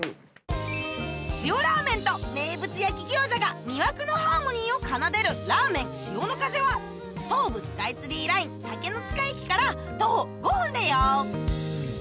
塩ラーメンと名物焼き餃子が魅惑のハーモニーを奏でる「らーめんしおの風」は東武スカイツリーライン竹ノ塚駅から徒歩５分だよ